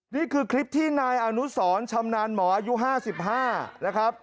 นี่คือคลิปที่นายอนุสรชำนาญหมออายุ๕๕นะครับ